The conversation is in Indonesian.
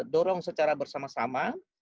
dorong secara bersama sama